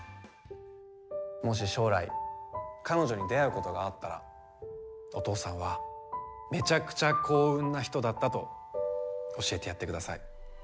もし将来彼女に出会うことがあったらお父さんはめちゃくちゃ幸運な人だったと教えてやってください。